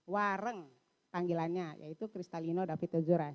wareng panggilannya yaitu kristalino davidozura